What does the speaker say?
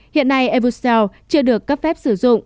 hiện nay evucel chưa được cấp phép sử dụng